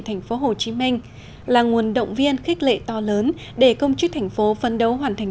thành phố hồ chí minh là nguồn động viên khích lệ to lớn để công chức thành phố phấn đấu hoàn thành